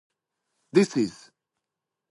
This is achieved, usually, with a linear amplifier.